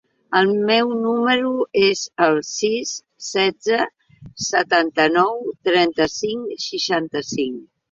El meu número es el sis, setze, setanta-nou, trenta-cinc, seixanta-cinc.